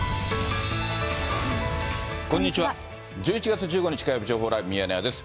１１月１５日火曜日、情報ライブミヤネ屋です。